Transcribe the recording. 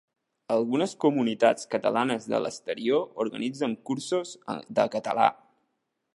Algunes comunitats catalanes de l'exterior organitzen cursos de català.